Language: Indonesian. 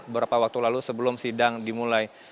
beberapa waktu lalu sebelum sidang dimulai